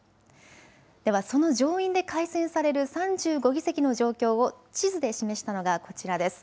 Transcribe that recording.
ではその上院で改選される３５議席の状況を地図で示したのがこちらです。